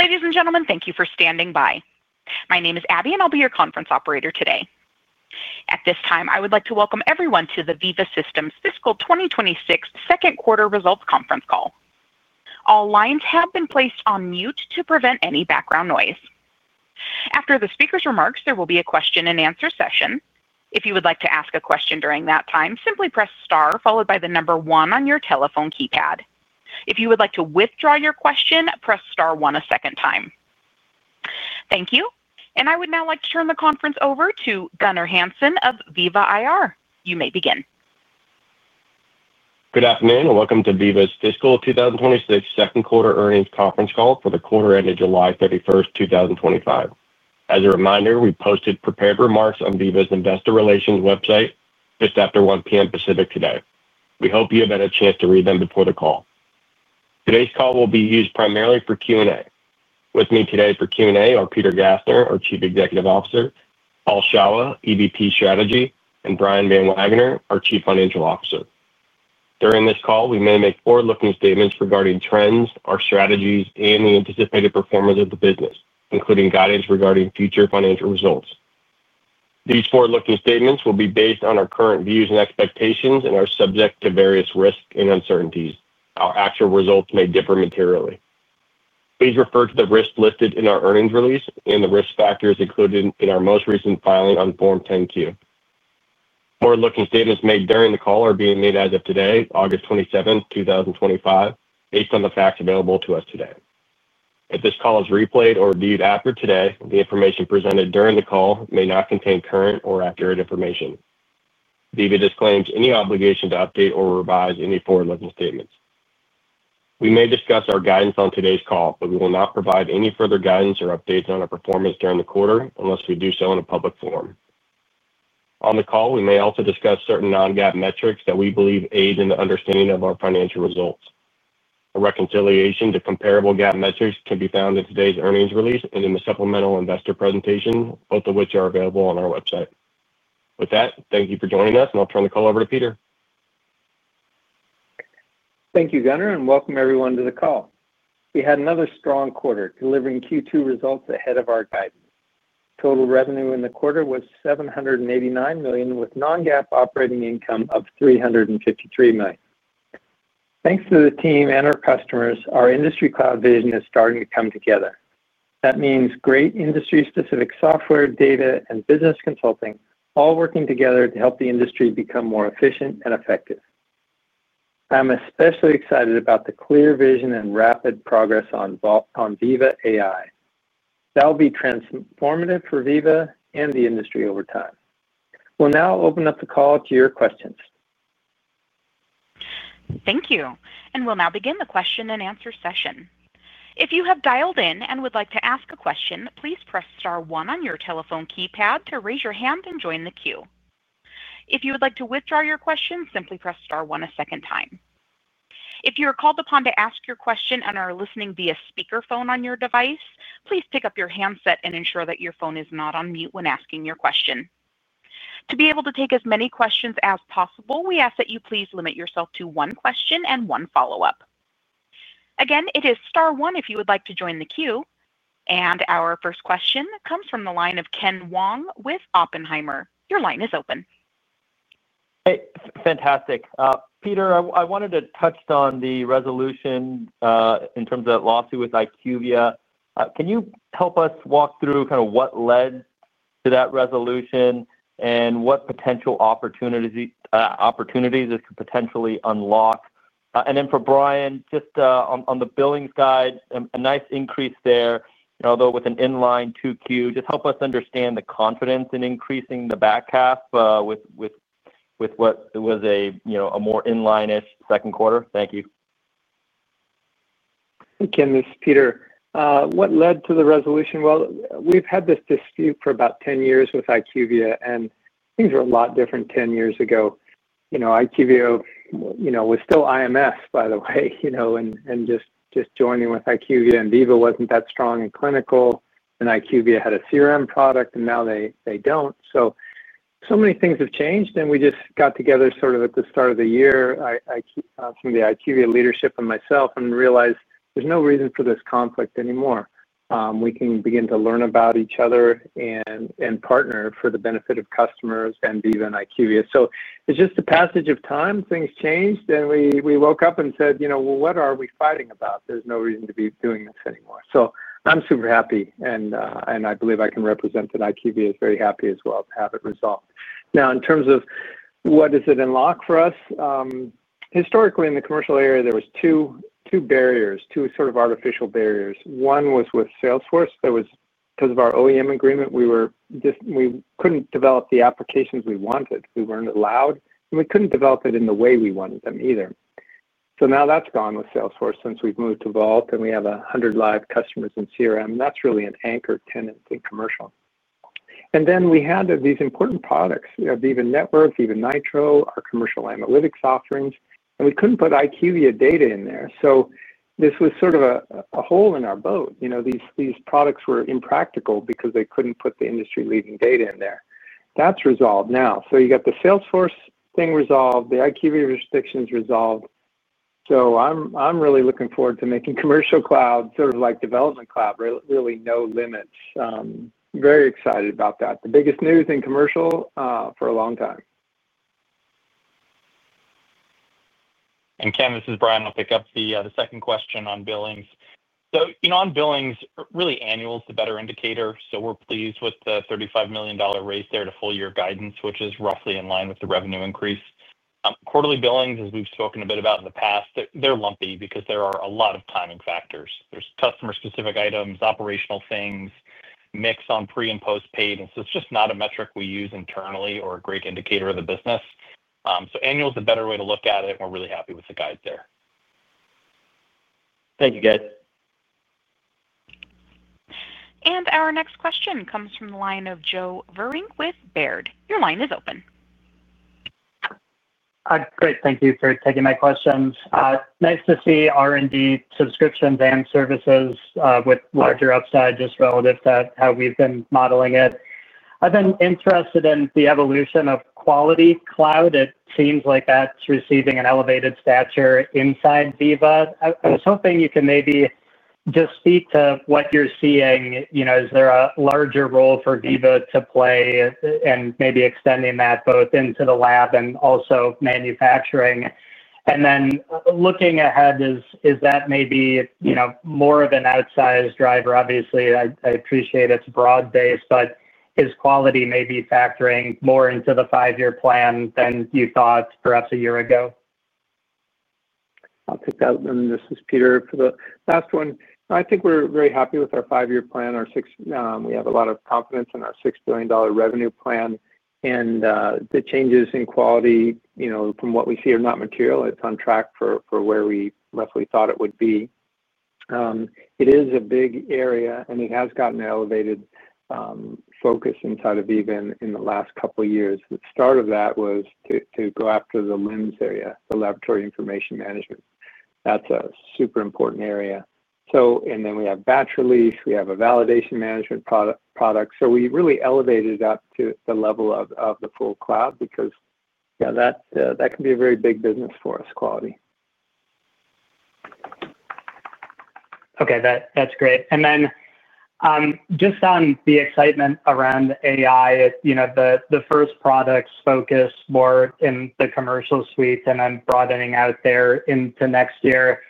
Ladies and gentlemen, thank you for standing by. My name is Abby and I'll be your conference operator today. At this time I would like to welcome everyone to the Veeva Systems Fiscal 2026 Second Quarter Results Conference call. All lines have been placed on mute to prevent any background noise. After the speaker's remarks, there will be a question and answer session. If you would like to ask a question during that time, simply press star followed by the number one on your telephone keypad. If you would like to withdraw your question, press star one a second time. Thank you. I would now like to turn the conference over to Gunnar Hansen of Veeva IR. You may begin. Good afternoon and welcome to Veeva Systems' fiscal 2026 second quarter earnings conference call for the quarter ended July 31, 2025. As a reminder, we posted prepared remarks on Veeva's investor relations website after 1:00 P.M. Pacific today. We hope you have had a chance to read them before the call. Today's call will be used primarily for Q&A. With me today for Q&A are Peter Gassner, our Chief Executive Officer, Paul Shawah, EVP Strategy, and Brian Van Wagener, our Chief Financial Officer. During this call we may make forward-looking statements regarding trends, our strategies, and the anticipated performance of the business, including guidance regarding future financial results. These forward-looking statements will be based on our current views and expectations and are subject to various risks and uncertainties. Our actual results may differ materially. Please refer to the risks listed in our earnings release and the risk factors included in our most recent filing on Form 10-Q. Forward-looking statements made during the call are being made as of today, August 27, 2025, based on the facts available to us today. If this call is replayed or reviewed after today, the information presented during the call may not contain current or accurate information. Veeva disclaims any obligation to update or revise any forward-looking statements. We may discuss our guidance on today's call, but we will not provide any further guidance or updates on our performance during the quarter unless we do so in a public forum on the call. We may also discuss certain non-GAAP metrics that we believe aid in the understanding of our financial results. A reconciliation to comparable GAAP measures can be found in today's earnings release and in the supplemental investor presentation, both of which are available on our website. With that, thank you for joining us and I'll turn the call over to Peter. Thank you, Gunnar, and welcome everyone to the call. We had another strong quarter delivering Q2 results ahead of our guidance. Total revenue in the quarter was $789 million with non-GAAP operating income of $353 million. Thanks to the team and our customers, our industry cloud vision is starting to come together. That means great industry-specific software, data, and business consulting all working together to help the industry become more efficient and effective. I'm especially excited about the clear vision and rapid progress on Veeva AI that will be transformative for Veeva and the industry over time. We'll now open up the call to your questions. Thank you. We will now begin the question and answer session. If you have dialed in and would like to ask a question, please press star one on your telephone keypad to raise your hand and join the queue. If you would like to withdraw your question, simply press star one a second time. If you are called upon to ask your question and are listening via speakerphone on your device, please pick up your handset and ensure that your phone is not on mute when asking your question. To be able to take as many questions as possible, we ask that you please limit yourself to one question and one follow up. Again, it is Star one if you would like to join the queue. Our first question comes from the line of Ken Wong with Oppenheimer. Your line is open. Fantastic. Peter, I wanted to touch on the resolution in terms of lawsuit with IQVIA. Can you help us walk through kind of what led to that resolution and what potential opportunities this could potentially unlock? And then for Brian, just on the Billings guide, a nice increase there, although with an inline 2Q, just help us understand the confidence in increasing the back half with what was a, you know, a more inline-ish second quarter. Thank you. Hey Ken, this is Peter. What led to the resolution? We've had this dispute for about 10 years with IQVIA and things are a lot different. Ten years ago, you know, IQVIA was still IMS, by the way, and just joining with IQVIA and Veeva wasn't that strong in clinical and IQVIA had a CRM product and now they don't. So many things have changed and we just got together sort of at the start of the year from the IQVIA leadership and myself and realized there's no reason for this conflict anymore. We can begin to learn about each other and partner for the benefit of customers and even IQVIA. It's just the passage of time, things changed and we woke up and said what are we fighting about? There's no reason to be doing this anymore. I'm super happy and I believe I can represent that IQVIA is very happy as well to have it resolved. Now in terms of what does it unlock for us? Historically in the commercial area there were two barriers, two sort of artificial barriers. One was with Salesforce that was because of our OEM agreement, we couldn't develop the applications we wanted, we weren't allowed and we couldn't develop it in the way we wanted them either. Now that's gone with Salesforce since we've moved to Vault and we have 100 live customers in CRM that's really an anchor tenant in commercial. Then we had these important products, Veeva Network, Veeva Nitro, our commercial analytics offerings. We couldn't put IQVIA data in there. This was sort of a hole in our boat. These products were impractical because they couldn't put the industry leading data in there. That's resolved now. You got the Salesforce thing resolved, the IQVIA restrictions resolved. I'm really looking forward to making Commercial Cloud, sort of like Development Cloud, really. No limits. Very excited about that. The biggest news in commercial for a long time. Ken, this is Brian I'll pick up the second question on billings. On billings, really, annual is the better indicator. We're pleased with the $35 million raise there to full year guidance, which is roughly in line with the revenue increase. Quarterly billings, as we've spoken a bit about in the past, are lumpy because there are a lot of timing factors, there's customer specific items, operational things, mix on pre and post paid, and it's just not a metric we use internally or a great indicator of the business. Annual is a better way to look at it. We're really happy with the guide there. Thank you guys. Our next question comes from the line of Joe Vruwink with Baird. Your line is open. Great. Thank you for taking my questions. Nice to see R&D subscriptions and services with larger upside just relative to how we've been modeling it. I've been interested in the evolution of Quality Cloud. It seems like that's receiving an elevated stature inside Veeva. I was hoping you can maybe just speak to what you're seeing. You know, is there a larger role for Veeva to play and maybe extending that both into the lab and also manufacturing? Looking ahead, is that maybe, you know, more of an outsized driver? Obviously I appreciate it's broad based, but is quality maybe factoring more into the five-year plan than you thought perhaps a year ago? I'll take that. This is Peter for the last one. I think we're very happy with our five-year plan. We have a lot of confidence in our $6 billion revenue plan and the changes in quality, you know, from what we see are not material. It's on track for where we roughly thought it would be. It is a big area and it has gotten elevated focus inside of Veeva in the last couple years. The start of that was to go after the LIMS area, the Laboratory Information Management. That's a super important area. We have batch release, we have a validation management product. We really elevated up to the level of the full cloud because that can be a very big business for us. Quality. Okay, that's great. Just on the excitement around AI, you know, the first products focus more in the commercial suite and then broadening out there into next year.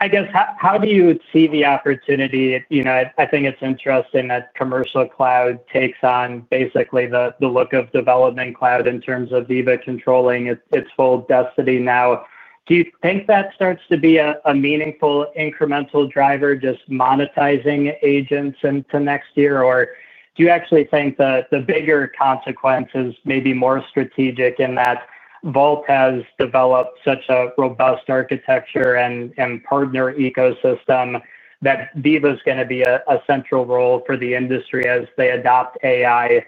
I guess how do you see the opportunity? You know, I think it's interesting that Commercial Cloud takes on basically the look of Development Cloud in terms of Veeva controlling its full destiny now. Do you think that starts to be a meaningful incremental driver just monetizing agents into next year, or do you actually think that the bigger consequences may be more strategic in that Vault has developed such a robust architecture and partner ecosystem that Veeva is going to be a central role for the industry as they adopt AI?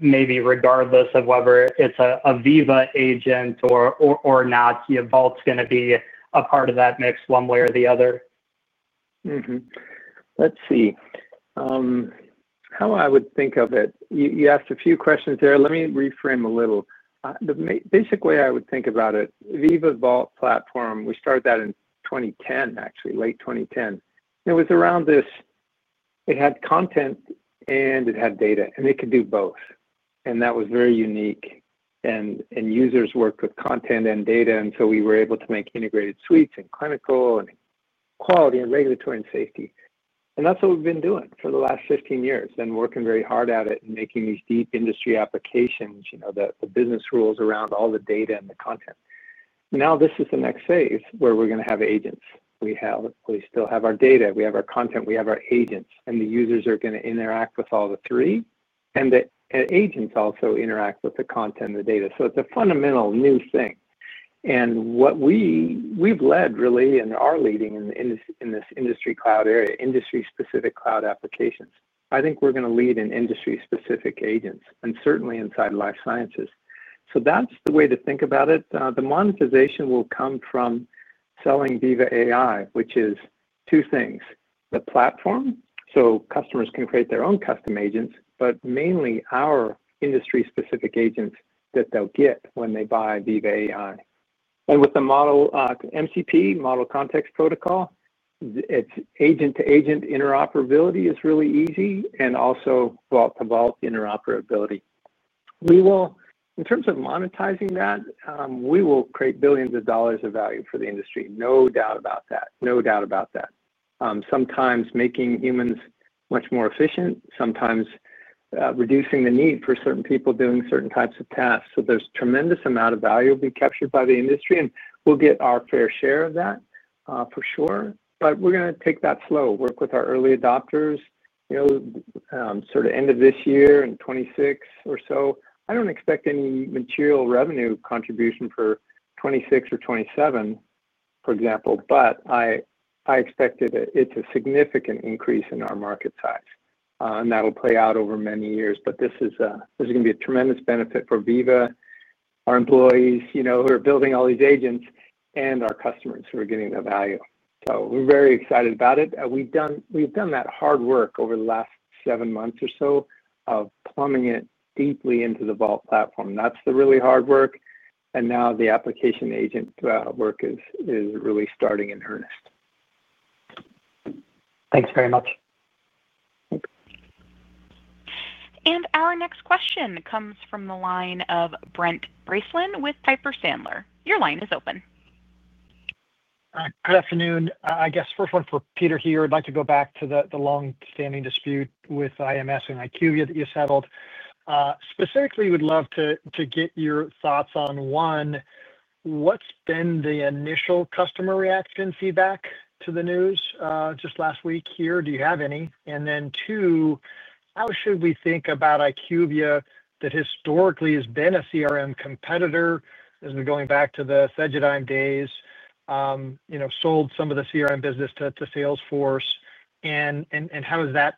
Maybe regardless of whether it's a Veeva agent or not, Vault's going to be a part of that mix one way or the other. Let's see how I would think of it. You asked a few questions there. Let me reframe a little the basic way I would think about it. Veeva Vault platform. We started that in 2010, actually late 2010, it was around this. It had content and it had data and it could do both. That was very unique. Users worked with content and data, and we were able to make integrated suites in clinical, quality, regulatory, and safety. That is what we've been doing for the last 15 years, working very hard at it and making these deep industry applications. The business rules are around all the data and the content. This is the next phase where we're going to have agents. We still have our data, we have our content, we have our agents, and the users are going to interact with all three, and the agents also interact with the content and the data. It is a fundamental new thing. We have led really and are leading in this industry cloud area, industry-specific cloud applications. I think we're going to lead in industry-specific agents, certainly inside life sciences. That is the way to think about it. The monetization will come from selling Veeva AI, which is two things: the platform so customers can create their own custom agents, but mainly our industry-specific agents that they'll get when they buy Veeva AI. With the model MCP, model context protocol, agent-to-agent interoperability is really easy, and also vault-to-vault interoperability. In terms of monetizing that, we will create billions of dollars of value for the industry. No doubt about that. Sometimes making humans much more efficient, sometimes reducing the need for certain people doing certain types of tasks. There is a tremendous amount of value being captured by the industry, and we'll get our fair share of that for sure. We're going to take that flow, work with our early adopters, end of this year and 2026 or so. I don't expect any material revenue contribution for 2026 or 2027, for example, but I expect it is a significant increase in our market size, and that'll play out over many years. This is going to be a tremendous benefit for Veeva, our employees who are building all these agents, and our customers who are getting that value. We're very excited about it. We've done that hard work over the last seven months or so of plumbing it deeply into the Vault platform. That is the really hard work, and now the application agent work is really starting in earnest. Thanks very much. Our next question comes from the line of Brent Bracelin with Piper Sandler. Your line is open. Good afternoon. I guess first one for Peter here. I'd like to go back to the long standing dispute with IMS and IQVIA that you settled. Specifically, we'd love to get your thoughts on, one, what's been the initial customer reaction feedback to the news just last week here? Do you have any? And then, two, how should we think about IQVIA that historically has been a CRM competitor? As we're going back to the Segedigm days, you know, sold some of the CRM business to Salesforce. How has that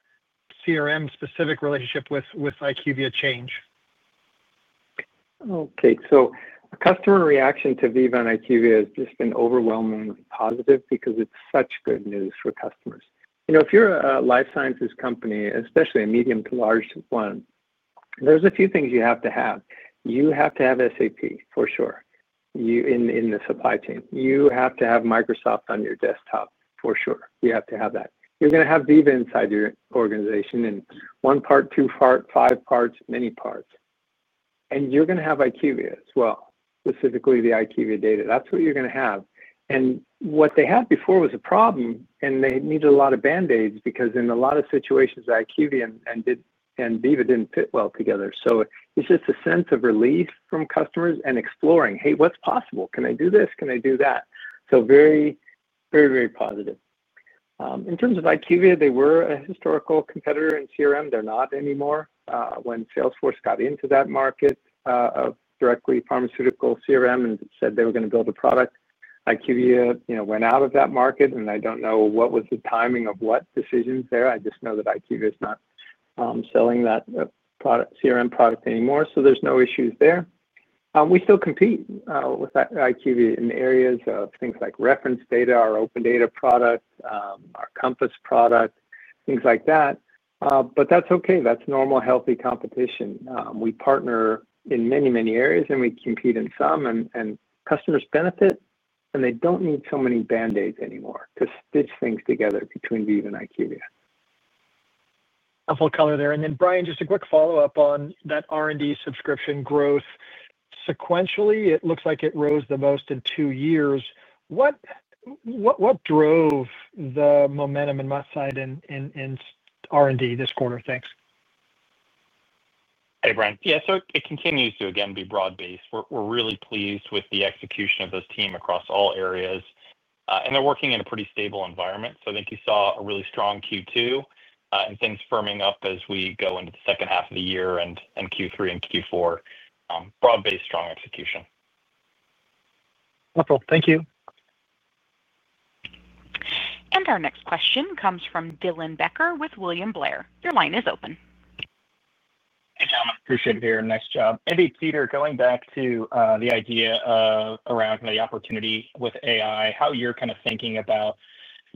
CRM specific relationship with IQVIA changed? Okay, so customer reaction to Veeva and IQVIA has just been overwhelmingly positive because it's such good news for customers. If you're a life sciences company, especially a medium to large one, there's a few things you have to have. You have to have SAP for sure in the supply chain, you have to have Microsoft on your desktop for sure. You have to have that. You're going to have Veeva inside your organization in one part, two parts, five parts, many parts. You're going to have IQVIA as well, specifically the IQVIA data. That's what you're going to have. What they had before was a problem and they needed a lot of band-aids because in a lot of situations IQVIA and Veeva didn't fit well together. It's just a sense of relief from customers and exploring, hey, what's possible, can I do this, can I do that? Very, very, very positive. In terms of IQVIA, they were a historical competitor in CRM. They're not anymore. When Salesforce got into that market directly, Pharmaceutical CRM, and said they were going to build a product, IQVIA went out of that market. I don't know what was the timing of what decisions there. I just know that IQVIA is not selling that CRM product anymore. There's no issues there. We still compete with IQVIA in areas of things like reference data, our OpenData product, our Compass product, things like that. That's normal, healthy competition. We partner in many, many areas and we compete in some and customers benefit and they don't need so many band-aids anymore to stitch things together between Veeva and IQVIA. Helpful color there. Brian, just a quick follow up on that R&D subscription growth. Sequentially it looks like it rose the most in two years. What drove the momentum in my side and R&D this quarter? Thanks. Hey, Brent. Yeah. It continues to again be broad based. We're really pleased with the execution of this team across all areas and they're working in a pretty stable environment. I think you saw a really strong Q2 and things firming up as we go into the second half of the year and Q3 and Q4, broad based, strong execution. Thank you. Our next question comes from Dylan Becker with William Blair. Your line is open. Appreciate it here. Nice job, Eddie. Peter, going back to the idea around the opportunity with AI, how you're kind of thinking about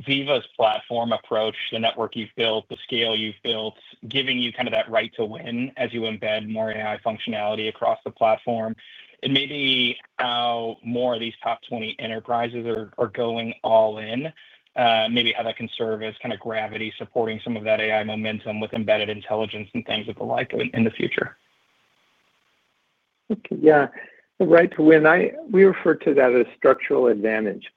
Veeva's platform approach, the network you've built, the scale you've built, giving you kind of that right to win as you embed more AI functionality across the platform. AI and maybe how more of these top 20 enterprises are going all in, maybe how that can serve as kind of gravity supporting some of that AI momentum with embedded intelligence and things of the like in the future. Yeah, right. We refer to that as structural advantage.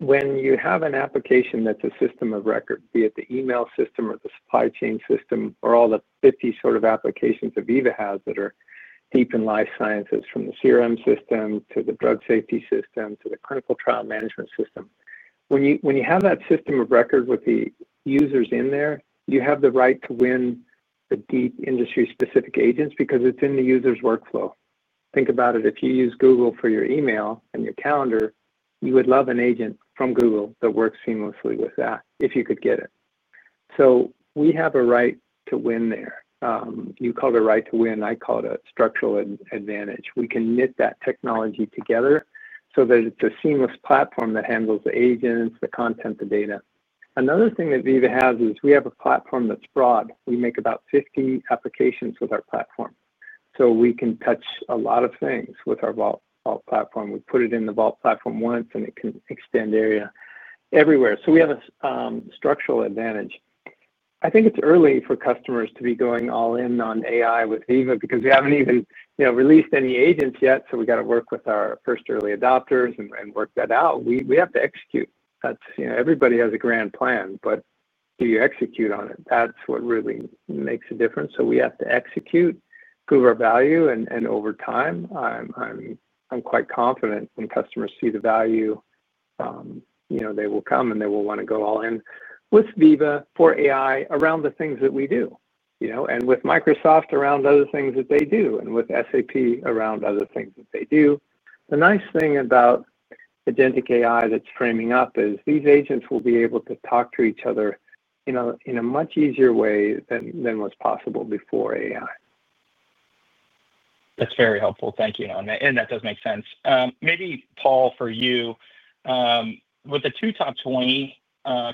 When you have an application that's a system of record, be it the email system or the supply chain system, or all the 50 sort of applications that Veeva has that are deep in life sciences, from the CRM system to the drug safety system to the clinical trial management system, when you have that system of record with the users in there, you have the right to win the deep industry specific agents because it's in the user's workflow. Think about it, if you use Google for your email and your calendar, you would love an agent from Google that works seamlessly with that if you could get it. We have a right to win there. You call the right to win, I call it a structural advantage. We can knit that technology together so that it's a seamless platform that handles the agents, the content, the data. Another thing that Veeva has is we have a platform that's broad. We make about 50 applications with our platform, so we can touch a lot of things with our Vault platform. We put it in the Vault platform once and it can extend everywhere. We have a structural advantage. I think it's early for customers to be going all in on AI with Veeva because we haven't even released any agents yet. We have to work with our first early adopters and work that out. We have to execute. Everybody has a grand plan, but do you execute on it? That's what really makes a difference. We have to execute, prove our value. Over time, I'm quite confident when customers see the value, they will come and they will want to go all in with Veeva for AI around the things that we do, and with Microsoft around other things that they do and with SAP around other things that they do. The nice thing about identity AI that's framing up is these agents will be able to talk to each other in a much easier way than what's possible before AI. That's very helpful, thank you. That does make sense. Maybe Paul, for you with the two top 20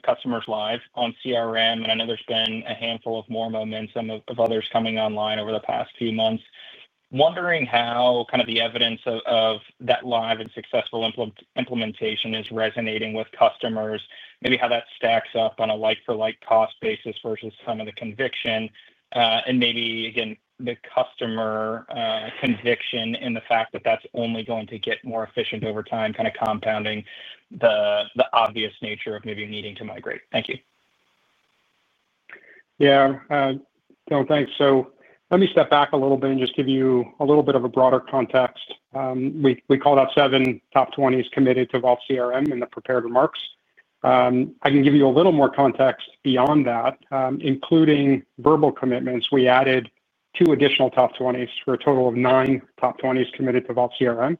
customers live on CRM and I know there's been a handful of more momentum of others coming online over the past few months, wondering how kind of the evidence of that live and successful implementation is resonating with customers. Maybe how that stacks up on a like-for-like cost basis versus some of the conviction and maybe again the customer conviction in the fact that that's only going to get more efficient over time, kind of compounding the obvious nature of maybe needing to migrate. Thank you. Yeah, thanks. Let me step back a little bit and just give you a little bit of a broader context. We called out seven top 20s committed to Vault CRM. In the prepared remarks, I can give you a little more context beyond that. Including verbal commitments, we added two additional top 20s for a total of nine top 20s committed to Vault CRM.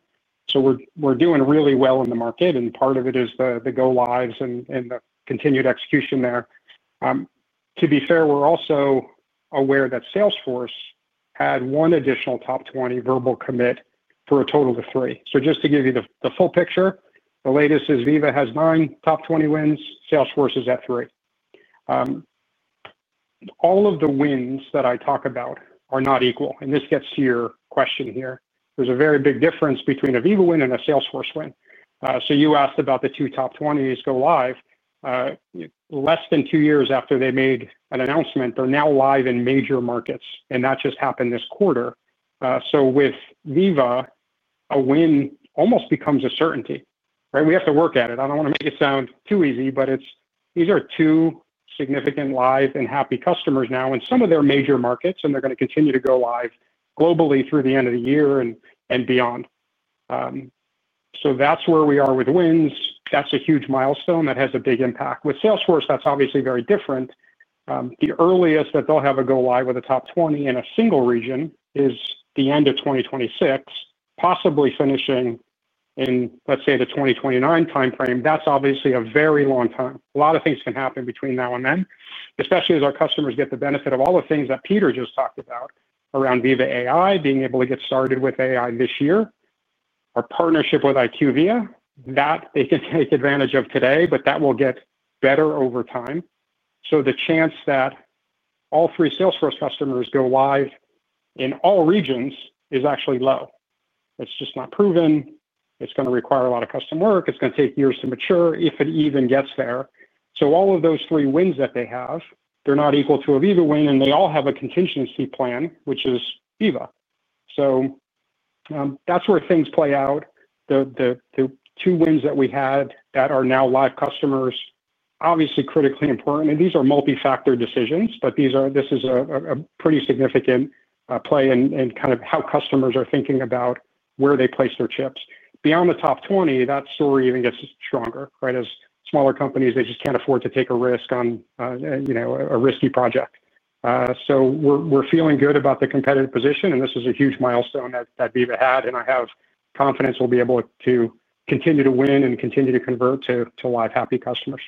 We're doing really well in the market and part of it is the go lives and the continued execution there. To be fair, we're also aware that Salesforce had one additional top 20 verbal commit for a total of three. Just to give you the full picture, the latest is Veeva has nine top 20 wins. Salesforce is at three. All of the wins that I talk about are not equal. This gets to your question here. There's a very big difference between a Veeva win and a Salesforce win. You asked about the two top 20s go live less than two years after they made an announcement. They're now live in major markets and that just happened this quarter. With Veeva, a win almost becomes a certainty. We have to work at it. I don't want to make it sound too easy, but these are two significant live and happy customers now in some of their major markets and they're going to continue to go live globally through the end of the year and beyond. That's where we are with wins. That's a huge milestone. That has a big impact. With Salesforce, that's obviously very different. The earliest that they'll have a go live with a top 20 in a single region is the end of 2026, possibly finishing in, let's say, the 2029 time frame. That's obviously a very long time. A lot of things can happen between now and then, especially as our customers get the benefit of all the things that Peter just talked about around Veeva. AI being able to get started with AI this year, our partnership with IQVIA that they can take advantage of today, but that will get better over time. The chance that all three Salesforce customers go live in all regions is actually low. It's just not proven. It's going to require a lot of custom work. It's going to take years to mature, if it even gets there. All of those three wins that they have are not equal to a Veeva win and they all have a contingency plan which is Veeva. That's where things play out. The two wins that we had that are now live customers are obviously critically important and these are multi factor decisions, but this is a pretty significant play and kind of how customers are thinking about where they place their chips. Beyond the top 20, that story even gets stronger. As smaller companies, they just can't afford to take a risk on a risky project. We're feeling good about the competitive position and this is a huge milestone that Veeva had and I have confidence we'll be able to continue to win and continue to convert to live happy customers.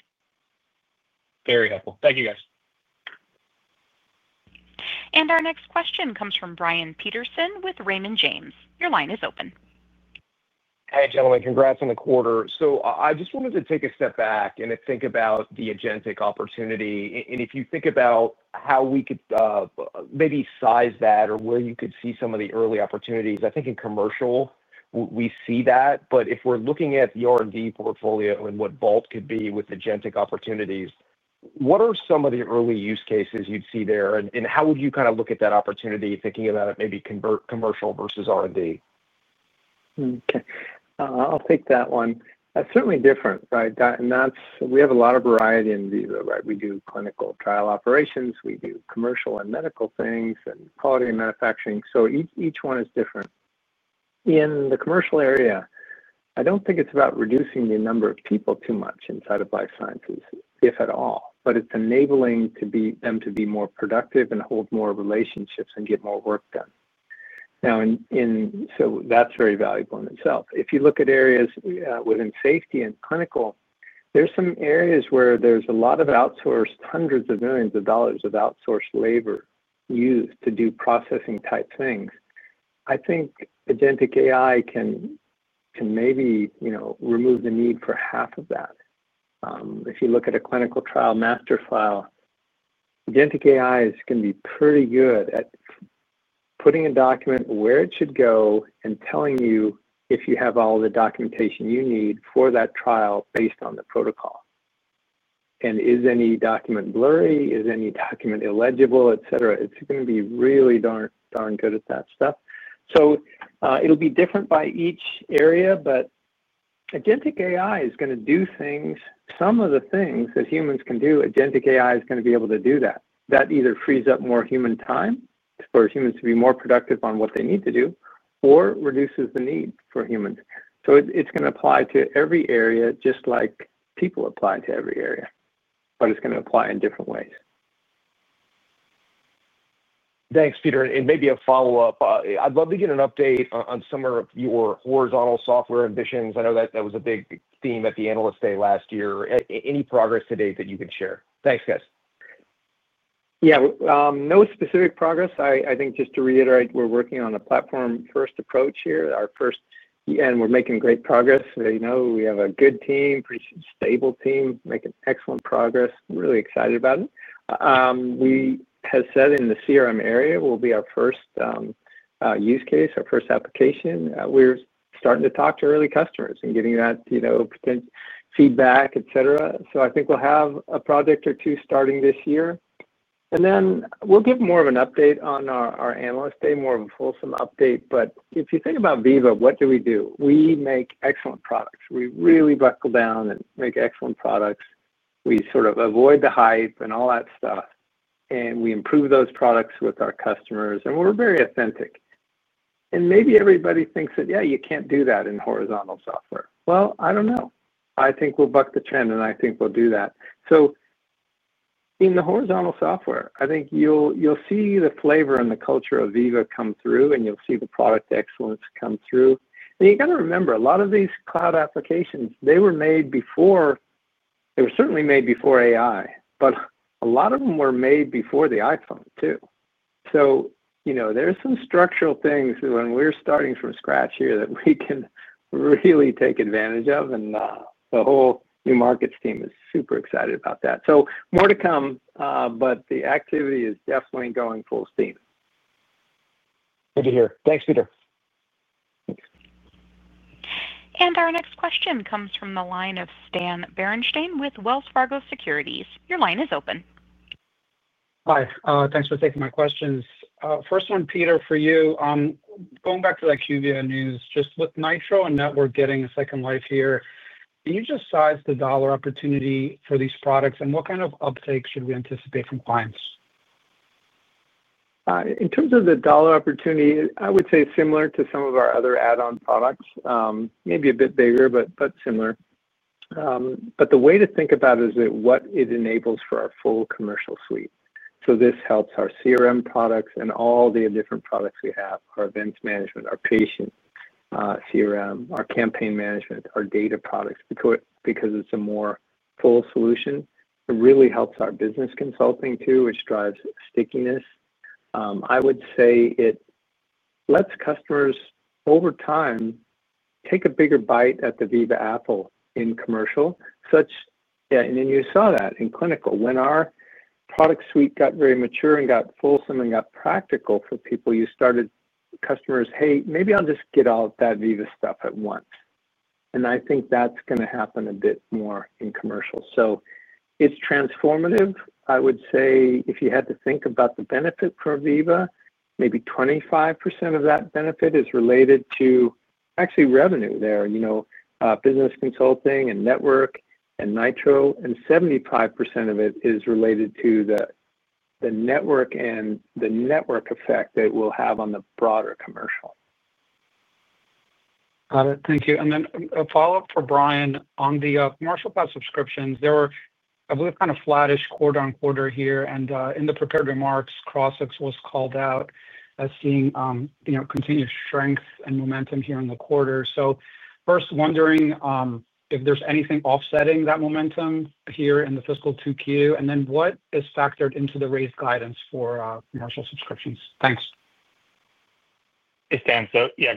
Very helpful. Thank you guys. Our next question comes from Brian Peterson with Raymond James. Your line is open. Hey gentlemen, congrats on the quarter. I just wanted to take a step back and think about the agentic opportunity. If you think about how we could maybe size that or where you could see some of the early opportunities, I think in commercial we see that. If we're looking at the R&D portfolio and what bulk could be with the agentic opportunities, what are some of the early use cases you'd see there? How would you kind of look at that opportunity thinking about it? Maybe convert commercial versus R&D. Okay, I'll take that one. That's certainly different. We have a lot of variety in Veeva, right? We do clinical trial operations, we do commercial and medical things, and quality and manufacturing. Each one is different. In the commercial area, I don't think it's about reducing the number of people too much inside of life sciences, if at all, but it's enabling them to be more productive and hold more relationships and get more work done. That's very valuable in itself. If you look at areas within safety and clinical, there are some areas where there's a lot of outsourced, hundreds of millions of dollars of outsourced labor used to do processing type things. I think agentic AI can maybe remove the need for half of that. If you look at a clinical trial master file, agentic AI is going to be pretty good at putting a document where it should go and telling you if you have all the documentation you need for that trial based on the protocol. Is any document blurry, is any document illegible, etc.? It's going to be really darn good at that stuff. It'll be different by each area, but agentic AI is going to do some of the things that humans can do. Agentic AI is going to be able to do that. That either frees up more human time for humans to be more productive on what they need to do or reduces the need for humans. It's going to apply to every area, just like people apply to every area, but it's going to apply in different ways. Thanks, Peter. Maybe a follow up. I'd love to get an update on some of your horizontal software ambitions. I know that was a big theme at the analyst day last year. Any progress today that you can share? Thanks guys. Yeah, no specific progress. I think just to reiterate, we're working on a platform-first approach here. We're making great progress. We have a good team, stable team, making excellent progress, really excited about it. We have said in the CRM area will be our first use case, our first application. We're starting to talk to early customers and getting that feedback, et cetera. I think we'll have a project or two starting this year and then we'll give more of an update on our analyst day, more of a fulsome update. If you think about Veeva, what do we do? We make excellent products. We really buckle down and make excellent products. We sort of avoid the hype and all that stuff and we improve those products with our customers and we're very authentic. Maybe everybody thinks that, yeah, you can't do that in horizontal software. I don't know. I think we'll buck the trend and I think we'll do that. In the horizontal software, I think you'll see the flavor and the culture of Veeva come through and you'll see the product excellence come through. You got to remember a lot of these cloud applications, they were made before, they were certainly made before AI, but a lot of them were made before the iPhone too. There are some structural things when we're starting from scratch here that we can really take advantage of and the whole new markets team is super excited about that. More to come, but the activity is definitely going full steam. Good to hear. Thanks, Peter. Our next question comes from the line of Stan Berenshteyn with Wells Fargo Securities. Your line is open. Hi, thanks for taking my questions. First one, Peter, for you, going back to that IQVIA news just with Nitro and Network getting a second life here, can you just size the dollar opportunity for these products and what kind of uptake should we anticipate from clients? In terms of the dollar opportunity I would say similar to some of our other add-on products, maybe a bit bigger but similar. The way to think about it is what it enables for our full commercial suite. This helps our CRM products and all the different products we have, our events management, our patient CRM, our campaign management, our data products, because it's a more full solution. It really helps our business consulting too, which drives stickiness. I would say it lets customers over time take a bigger bite at the Veeva Apple in commercial, and you saw that in clinical when our product suite got very mature and got wholesome and got practical for people. You started customers, hey, maybe I'll just get all that Veeva stuff at once. I think that's going to happen a bit more in commercial. It's transformative. I would say if you had to think about the benefit for Veeva, maybe 25% of that benefit is related to actually revenue there, you know, business consulting and Network and Nitro, and 75% of it is related to the network and the network effect that will have on the broader commercial. Got it, thank you. A follow-up for Brian on the commercial class subscriptions. There were, I believe, kind of flattish quarter on quarter here, and in the prepared remarks Crossix was called out as seeing continued strength and momentum here in the quarter. First, wondering if there's anything offsetting that momentum here in the fiscal 2Q, and then what is factored into the raised guidance for commercial subscriptions, Thanks. Hey Stan.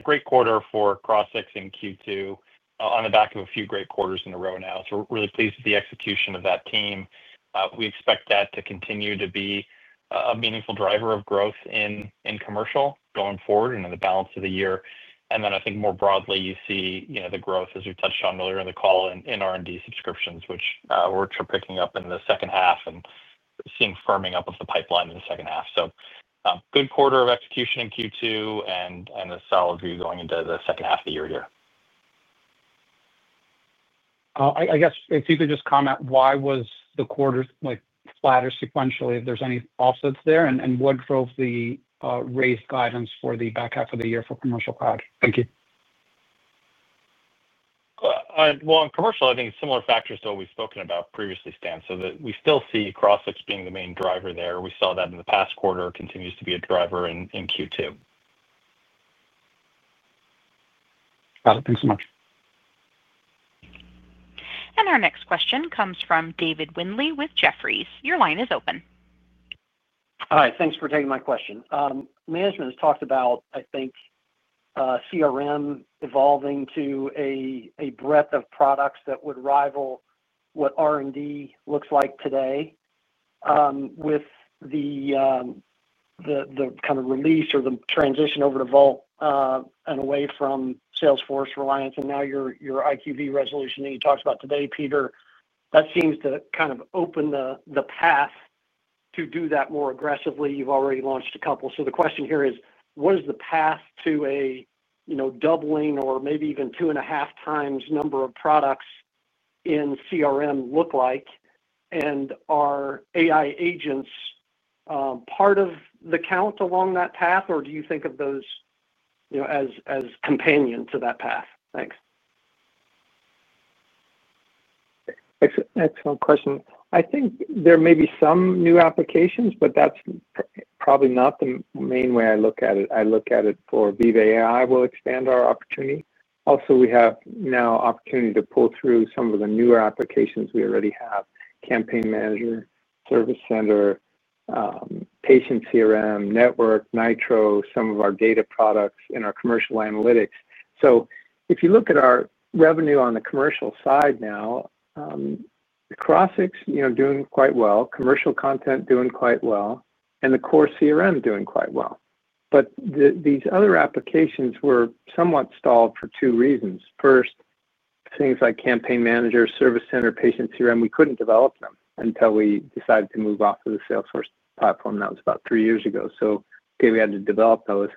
Great quarter for Crossix in Q2 on the back of a few great quarters in a row now. We're really pleased with the execution of that team. We expect that to continue to be a meaningful driver of growth in commercial going forward and in the balance of the year. I think more broadly you see the growth, as we touched on earlier in the call, in R&D subscriptions, which are picking up in the second half and seeing firming up of the pipeline in the second half. Good quarter of execution in Q2 and a solid view going into the second half of the year here. I guess if you could just comment why was the quarter flatter sequentially, if there's any offsets there, and what drove the raised guidance for the back half of the year for Commercial Cloud? Thank you. On commercial, I think similar factors to what we've spoken about previously, Stan, so that we still see Crossix being the main driver there. We saw that in the past quarter, continues to be a driver in Q2. Got it. Thanks so much. Our next question comes from David Windley with Jefferies. Your line is open. Hi, thanks for taking my question. Management has talked about, I think, CRM evolving to a breadth of products that would rival what R&D looks like today with the kind of release or the transition over to Vault and away from Salesforce reliance and now your IQVIA resolution that you talked about today, Peter, that seems to kind of open the path to do that more aggressively. You've already launched a couple. The question here is what is the path to a, you know, doubling or maybe even two and a half times number of products in CRM look like and are AI agents part of the count along that path? Or do you think of those, you know, as companions to that path? Thanks. Excellent question. I think there may be some new applications, but that's probably not the main way I look at it. I look at it for Veeva. AI will expand our opportunity also. We have now opportunity to pull through some of the newer applications. We already have Campaign Manager, Service Center, Patient CRM, Network, Nitro, some of our data products in our commercial analytics. If you look at our revenue on the commercial side now, Crossix is doing quite well, commercial content doing quite well, and the core CRM doing quite well. These other applications were somewhat stalled for two reasons. First, things like Campaign Manager, Service Center, Patient CRM, we couldn't develop them until we decided to move off the Salesforce platform. That was about three years ago. We had to develop those.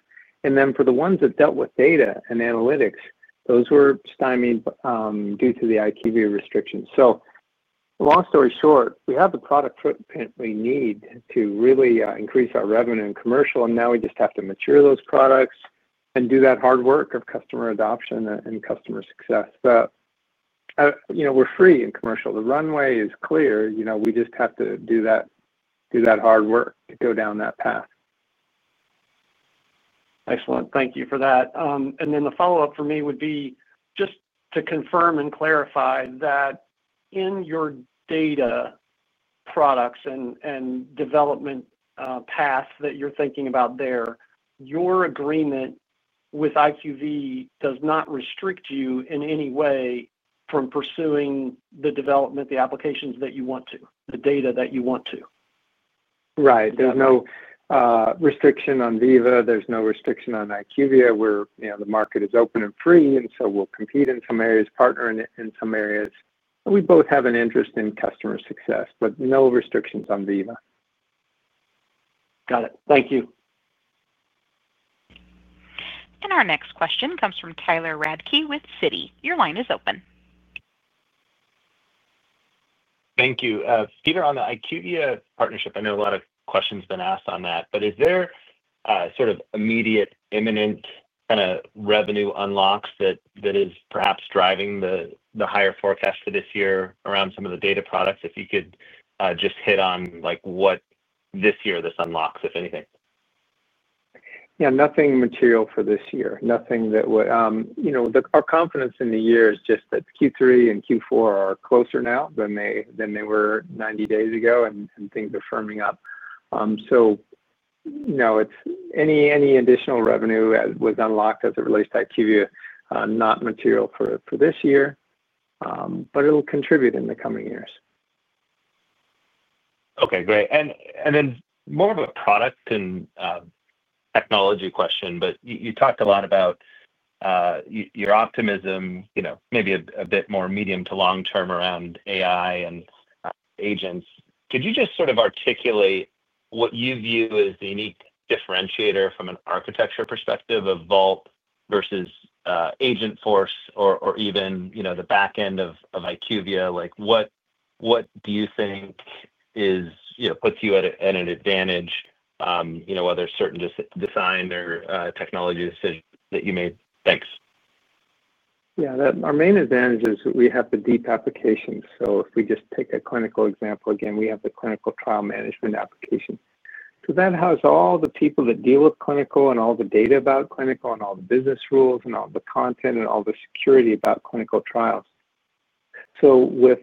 For the ones that dealt with data and analytics, those were stymied due to the IQVIA restrictions. Long story short, we have the product footprint we need to really increase our revenue in commercial and now we just have to mature those products and do that hard work of customer adoption and customer success. You know, we're free in commercial, the runway is clear. We just have to do that hard work to go down that path. Excellent, thank you for that. The follow up for me would be just to confirm and clarify that in your data products and development path that you're thinking about there, your agreement with IQVIA does not restrict you in any way from pursuing the development, the applications that you want to, the data that you want to. Right. There's no restriction on Veeva, there's no restriction on IQVIA where, you know, the market is open and free. We will compete in some areas, partner in some areas. We both have an interest in customer success, but no restrictions on Veeva. Got it, thank you. Our next question comes from Tyler Radke with Citi. Your line is open. Thank you, Peter. On the IQVIA partnership, I know a lot of questions been asked on that, but is there sort of immediate imminent kind of revenue unlocks that is perhaps driving the higher forecast for this year around some of the data products? If you could just hit on like what this year this unlocks if anything. Yeah, nothing material for this year. Nothing that, you know, our confidence in the year is just that Q3 and Q4 are closer now than they were 90 days ago and things are firming up. No, it's any additional revenue was unlocked as it relates to IQVIA. Not material for this year, but it'll contribute in the coming years. Okay, great. More of a product and technology question. You talked a lot about your optimism, maybe a bit more medium to long term around AI and agents. Could you just sort of articulate what you view as the unique differentiator from an architecture perspective of Vault versus Agentforce or even, you know, the back end of IQVIA? Like what do you think is, you know, puts you at an advantage, you know, whether certain design or technology decision that you made. Thanks. Yeah. Our main advantage is we have the deep application. If we just take a clinical example again, we have the clinical trial management application so that house all the people that deal with clinical and all the data about clinical and all the business rules and all the content and all the security about clinical trials. With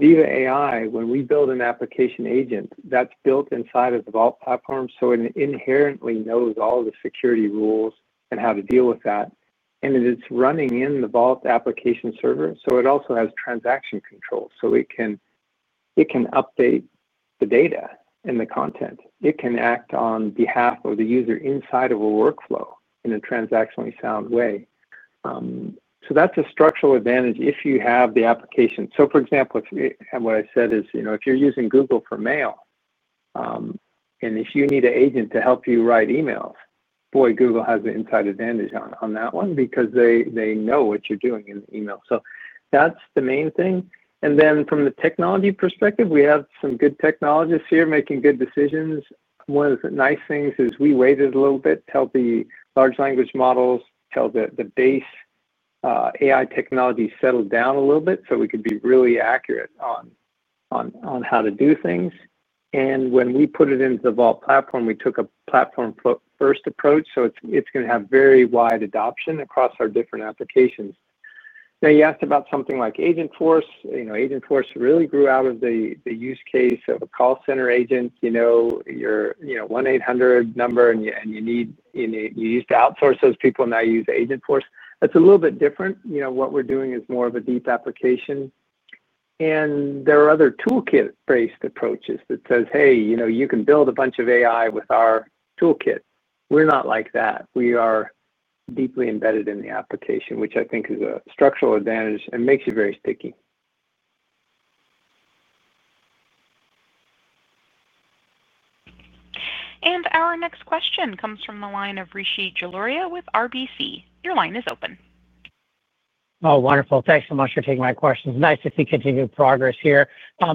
Veeva AI, when we build an application agent that's built inside of the Vault platform, it inherently knows all the security rules and how to deal with that. It's running in the Vault application server. It also has transaction control so it can update the data and the content. It can act on behalf of the user inside of a workflow in a transactionally sound way. That's a structural advantage if you have the application. For example, what I said is if you're using Google for mail and if you need an agent to help you write emails, boy, Google has an inside advantage on that one because they know what you're doing in email. That's the main thing. From the technology perspective, we have some good technologists here making good decisions. One of the nice things is we waited a little bit, tell the large language models, tell the base AI technology settled down a little bit so we could be really accurate on how to do things. When we put it into the Vault platform, we took a platform-first approach. It's going to have very wide adoption across our different applications. You asked about something like Agentforce. Agentforce really grew out of the use case of a call center agent. You know, you're 1-800 number and you need, you used to outsource those people, now you, the Agentforce, that's a little bit different. What we're doing is more of a deep application and there are other toolkit-based approaches that say, hey, you can build a bunch of AI with our toolkit. We're not like that. We are deeply embedded in the application, which I think is a structural advantage and makes you very picky. Our next question comes from the line of Rishi Jaluria with RBC. Your line is open. Oh, wonderful. Thanks so much for taking my questions. Nice to see continued progress here.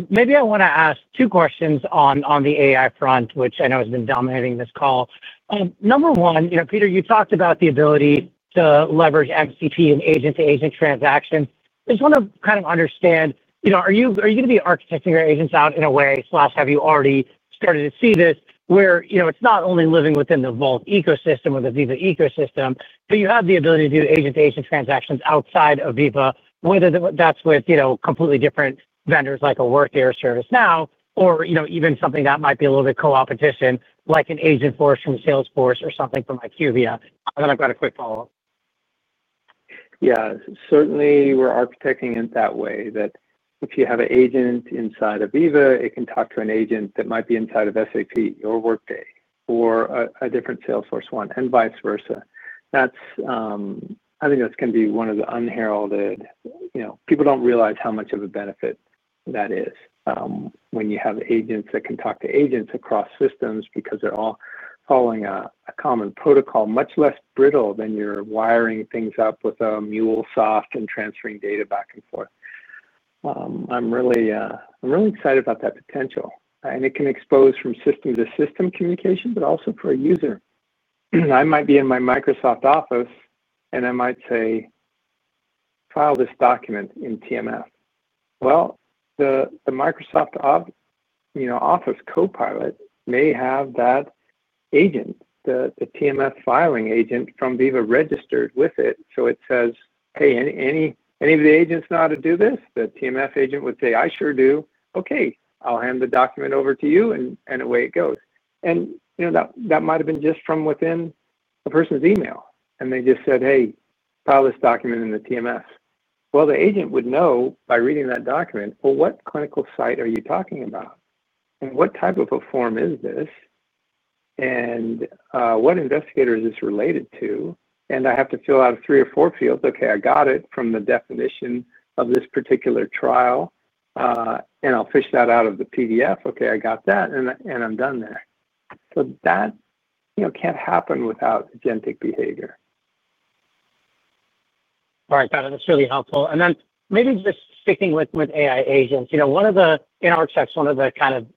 Maybe I want to ask two questions on the AI front, which I know has been dominating this call. Number one, you know, Peter, you talked about the ability to leverage MCP and agent to agent transaction. I just want to kind of understand, you know, are you going to be architecting your agents out in a way like Slack? Have you already started to see this where, you know, it's not only living within the Vault ecosystem or the Veeva ecosystem, but you have the ability to do agent to agent transactions outside of Veeva, whether that's with, you know, completely different vendors like a Workday or ServiceNow or, you know, even something that might be a little bit coopetition, like an Agentforce from Salesforce or something from IQVIA. Then I've got a quick follow up. Yeah, certainly we're architecting it that way that if you have an agent inside of Veeva, it can talk to an agent that might be inside of SAP or Workday or a different Salesforce one and vice versa. I think that's going to be one of the unheralded, you know, people don't realize how much of a benefit that is when you have agents that can talk to agents across systems because they're all following a common protocol. Much less brittle than if you're wiring things up with a MuleSoft and transferring data back and forth. I'm really excited about that potential. It can expose from system to system communication, but also for a user. I might be in my Microsoft Office and I might say, file this document in TMF. The Microsoft Office Copilot may have that agent, the TMF filing agent from Veeva registered with it. It says, hey, any of the agents know how to do this? The TMF agent would say, I sure do. Okay, I'll hand the document over to you. Away it goes. That might have been just from within a person's email and they just said, hey, file this document in the TMF. The agent would know by reading that document. What clinical site are you talking about? What type of a form is this? What investigator is this related to? I have to fill out three or four fields. Okay, I got it from the definition of this particular trial. I'll fish that out of the PDF. Okay, I got that. I'm done there. That can't happen without agentic behavior. All right, got it, that's really helpful. Maybe just sticking with AI agents in our text, one of the kind of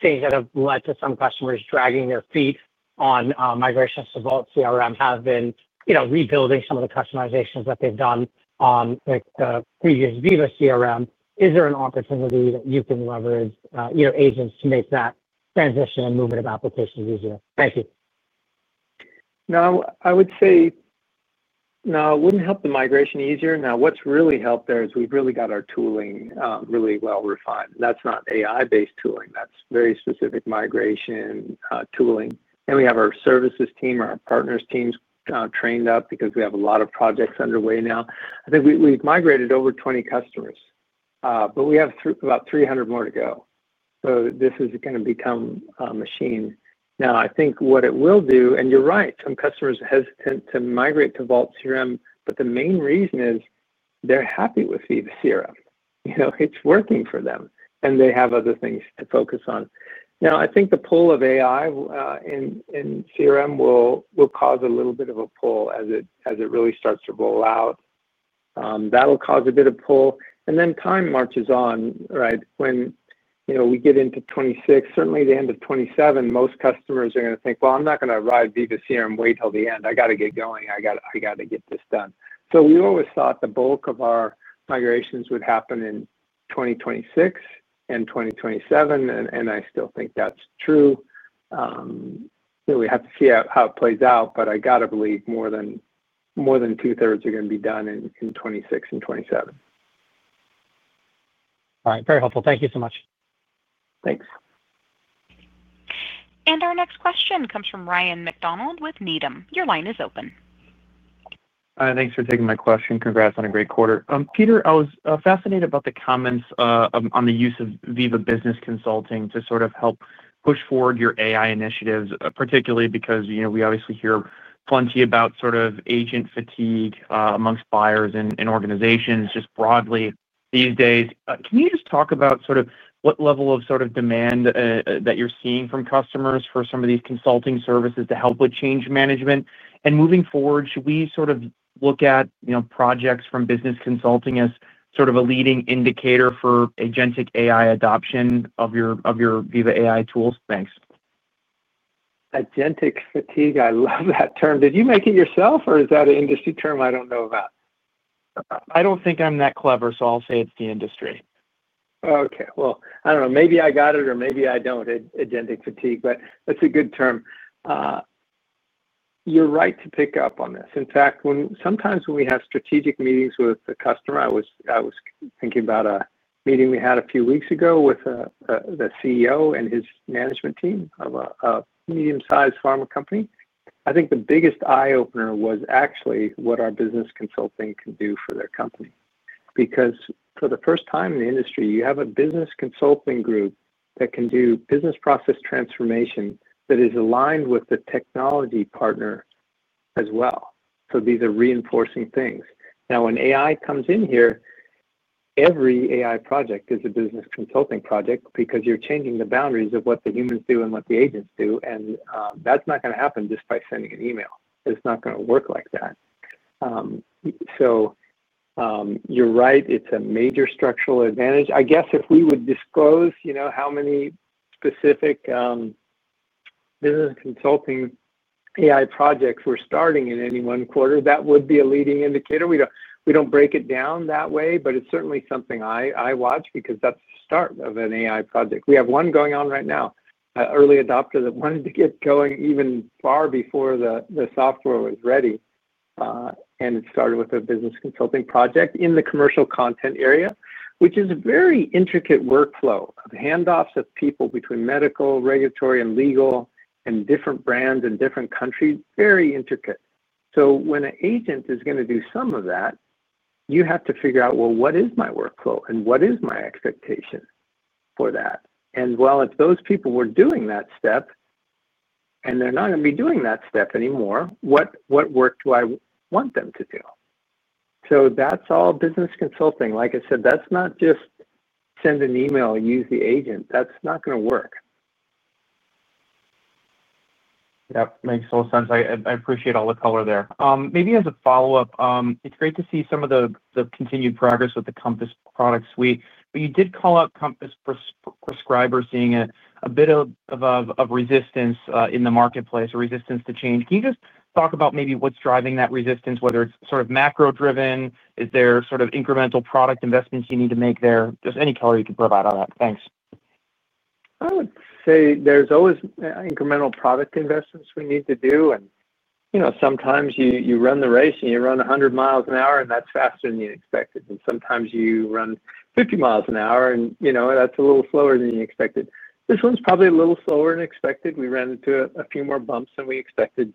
things that have led to some customers dragging their feet on migrations to Vault CRM have been rebuilding some of the customizations that they've done on the previous Veeva CRM. Is there an opportunity that you can leverage, you know, agents to make that transition and movement of applications easier? Thank you. I would say now it wouldn't help the migration easier. What's really helped there is we've really got our tooling really well refined. That's not AI-based tooling. That's very specific migration tooling. We have our services team, our partners teams trained up because we have a lot of projects underway now. I think we've migrated over 20 customers, but we have about 300 more to go. This is going to become a machine. I think what it will do, and you're right, some customers are hesitant to migrate to Vault CRM. The main reason is they're happy with Veeva CRM. It's working for them and they have other things to focus on now. I think the pull of AI in CRM will cause a little bit of a pull as it really starts to roll out. That'll cause a bit of pull and then time marches on. Right. When, you know, we get into 2026, certainly the end of 2027, most customers are going to think, I'm not going to ride Veeva CRM, wait till the end. I got to get going, I got to get this done. We always thought the bulk of our migrations would happen in 2026 and 2027. I still think that's true. We have to see how it plays out. I got to believe more than two thirds are going to be done in 2026 and 2027. All right, very helpful. Thank you so much. Thanks. Our next question comes from Ryan MacDonald with Needham. Your line is open. Thanks for taking my question. Congrats on a great quarter, Peter. I was fascinated about the comments on the use of Veeva business consulting to sort of help push forward your AI initiatives, particularly because, you know, we obviously hear plenty about sort of agent fatigue amongst buyers and organizations just broadly these days. Can you just talk about sort of what level of, sort of demand that you're seeing from customers for some of these consulting services to help with change management and moving forward, should we sort of look at, you know, projects from business consulting as sort of a leading indicator for agentic AI adoption of your, of your Veeva AI tools? Thanks. Agentic fatigue, I love that term. Did you make it yourself or is that an industry term I don't know about? I don't think I'm that clever, so I'll say it's the industry. Okay, I don't know, maybe I got it or maybe I don't. Agentic fatigue, but that's a good term. You're right to pick up on this. In fact, sometimes when we have strategic meetings with the customer. I was thinking about a meeting we had a few weeks ago with the CEO and his management team of a medium sized pharma company. I think the biggest eye opener was actually what our business consulting can do for their company. Because for the first time in the industry you have a business consulting group that can do business process transformation that is aligned with the technology partner as well. These are reinforcing things. Now when AI comes in here, every AI project is a business consulting project because you're changing the boundaries of what the humans do and what the agents do. That's not going to happen just by sending an email. It's not going to work like that. You're right, it's a major structural advantage. I guess if we would disclose, you know, how many specific business consulting AI projects we're starting in any one quarter, that would be a leading indicator. We don't break it down that way, but it's certainly something I watch because that's the start of an AI project. We have one going on right now, early adopter that wanted to get going even far before the software was ready. It started with a business consulting project in the commercial content area, which is a very intricate workflow of handoffs of people between medical, regulatory and legal and different brands in different countries. Very intricate. When an agent is going to do some of that, you have to figure out, what is my workflow and what is my expectation for that? If those people were doing that step and they're not going to be doing that step anymore, what work do I want them to do? That's all business consulting. Like I said, that's not just send an email, use the agent. That's not going to work. Yep, makes full sense. I appreciate all the color there. Maybe as a follow up, it's great to see some of the continued progress with the Compass product suite. You did call out Compass prescribers seeing a bit of resistance in the marketplace or resistance to change. Can you just talk about maybe what's driving that resistance? Whether it's sort of macro driven? Is there sort of incremental product investments you need to make there, just any color you can provide on that. Thanks. I would say there's always incremental product investments we need to do. Sometimes you run the race and you run 100 miles an hour and that's faster than you expected. Sometimes you run 50 miles an hour and that's a little slower than you expected. This one's probably a little slower than expected. We ran into a few more bumps than we expected.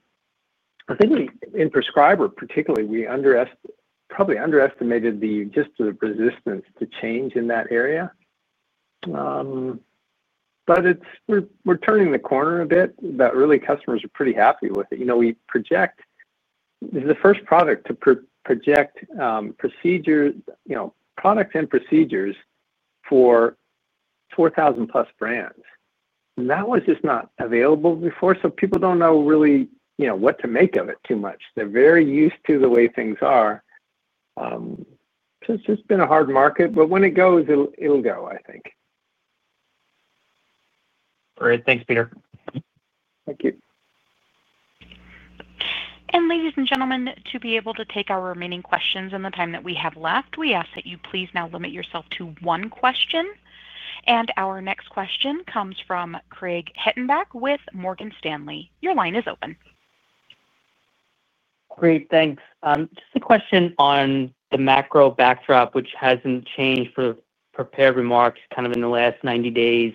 I think in prescriber particularly we probably underestimated just the resistance to change in that area. We're turning the corner a bit. Really, customers are pretty happy with it. We project the first product to project procedure, products and procedures for 4,000+ brands that was just not available before. People don't know really what to make of it too much. They're very used to the way things are. It's just been a hard market. When it goes, it'll go, I think. Great. Thanks, Peter. Thank you. Ladies and gentlemen, to be able to take our remaining questions in the time that we have left, we ask that you please now limit yourself to one question. Our next question comes from Craig Hettenbach with Morgan Stanley. Your line is open. Great, thanks. Just a question on the macro backdrop which hasn't changed for prepared remarks kind of in the last 90 days.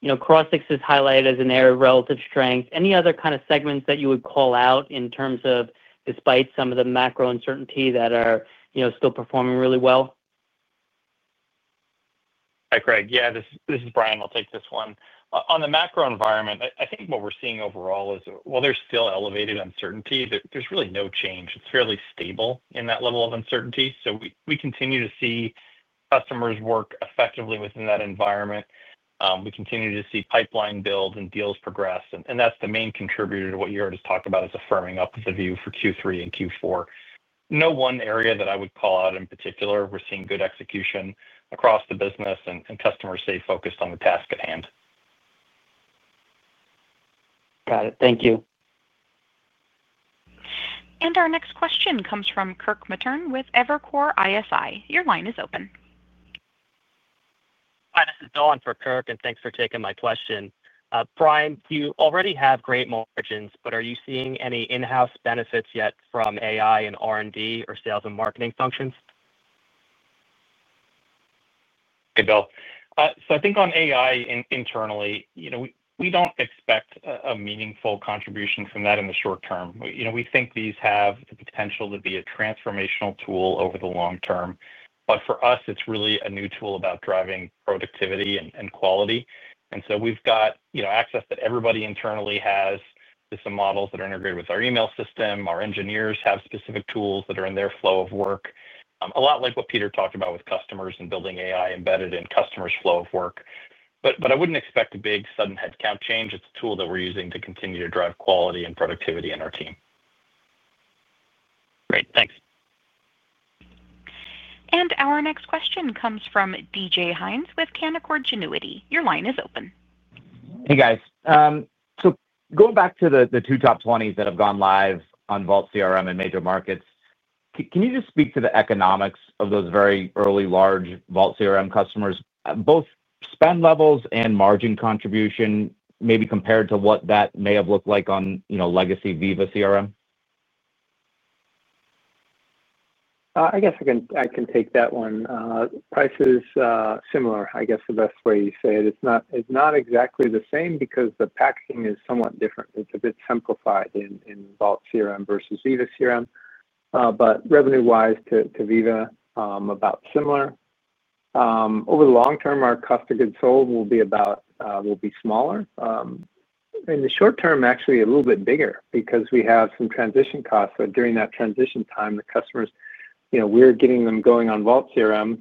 You know, Crossix is highlighted as an area of relative strength. Any other kind of segments that you would call out in terms of despite some of the macro uncertainty that are, you know, still performing really well. Hi Craig. Yeah, this is Brian. I'll take this one. On the macro environment, I think what we're seeing overall is while there's still elevated uncertainty that there's really change. It's fairly stable in that level of uncertainty. We continue to see customers work effectively within that environment. We continue to see pipeline build and deals progress. That's the main contributor to what you heard is talked about as a firming up of the view for Q3 and Q4. No one area that I would call out in particular. We're seeing good execution across the business and customers stay focused on the task at hand. Got it. Thank you. Our next question comes from Kirk Materne with Evercore ISI. Your line is open. Hi, this is Dawn for Kirk, and thanks for taking my question. Brian, you already have great margins, but are you seeing any in-house benefits yet from AI in R&D or sales and marketing functions? Hey Bill, I think on AI internally, we don't expect a meaningful contribution from that in the short term. We think these have the potential to be a transformational tool over the long term. For us, it's really a new tool about driving productivity and quality. We've got access so that everybody internally has some models that are integrated with our email system. Our engineers have specific tools that are in their flow of work, a lot like what Peter talked about with customers and building AI embedded in customers' flow of work. I wouldn't expect a big sudden headcount change. It's a tool that we're using to continue to drive quality and productivity in our team. Great, thanks. Our next question comes from DJ Hynes with Canaccord Genuity. Your line is open. Hey guys. Going back to the two top 20s that have gone live on Vault CRM in major markets, can you just speak to the economics of those very early large Vault CRM customers? Both spend levels and margin contribution maybe compared to what that may have looked like on legacy Veeva CRM? I guess I can take that one. Prices similar. I guess the best way you say it's not exactly the same because the packaging is somewhat different. It's a bit simplified in Vault CRM vs Veeva CRM, but revenue wise to Veeva about similar. Over the long term, our cost of goods sold will be smaller. In the short term, actually a little bit bigger because we have some transition costs. During that transition time, the customers, you know, we're getting them going on Vault CRM